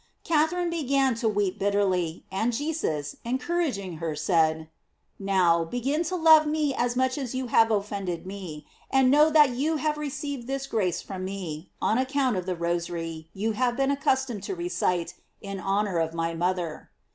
Catherine began to weep bitterly, and Jesus, encouraging her, said: "Now begin to love me as much as you have offended me; and know that you have received this grace from me, on account of the Rosary you have been accus tomed to recite in honor of my mother."